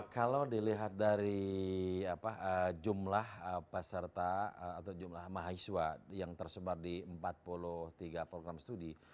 kalau dilihat dari jumlah peserta atau jumlah mahasiswa yang tersebar di empat puluh tiga program studi